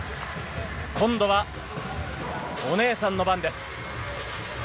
今度はお姉さんの番です。